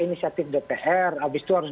inisiatif dpr abis itu harus